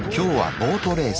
ボートレース。